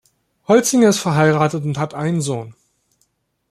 Holzinger ist verheiratet und hat einen Sohn.